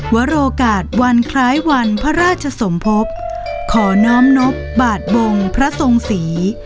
วโรกาศวันคล้ายวันพระราชสมภพขอน้อมนบบาทบงพระทรงศรี